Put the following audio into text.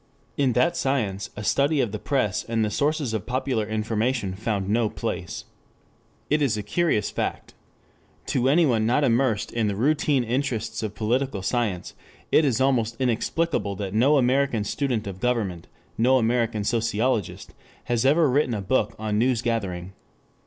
In that science a study of the press and the sources of popular information found no place. It is a curious fact. To anyone not immersed in the routine interests of political science, it is almost inexplicable that no American student of government, no American sociologist, has ever written a book on news gathering.